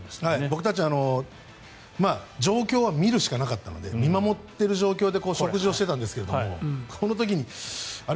僕たちは状況は見るしかなかったので見守ってる状況で食事をしてたんですけどこの時にあれ？